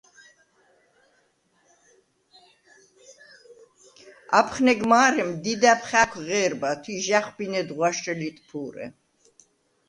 აფხნეგ მა̄რემ დიდა̈ბ ხა̄̈ქვ ღე̄რბათვ ი ჟ’ა̈ხვბინედ ღვაშრე ლიტფუ̄რე.